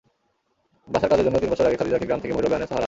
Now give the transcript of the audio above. বাসার কাজের জন্য তিন বছর আগে খাদিজাকে গ্রাম থেকে ভৈরবে আনেন সাহারা।